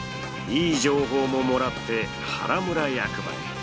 いい情報ももらって原村役場へ。